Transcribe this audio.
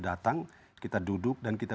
datang kita duduk dan kita